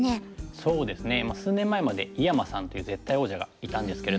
そうですね数年前まで井山さんという絶対王者がいたんですけれども。